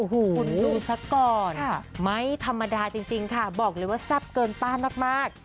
คุณดูซะก่อนไม่ธรรมดาจริงค่ะบอกเลยว่าแซ่บเกินต้านมาก